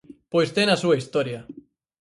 Pois ten a súa historia.